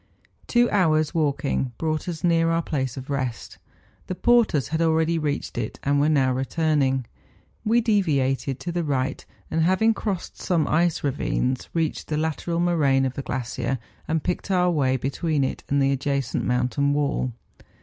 Two hours' walking brought us near our place of rest; the porters had already reached it, and were now returning. We deviated to the right, and having crossed some ice ravines, reached the lateral moraine of the glacier, and picked our way between it and the adjacent mountain wall.